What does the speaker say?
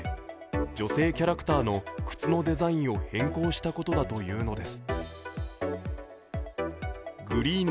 女性キャラクターの靴のデザインを変更したことだというのです。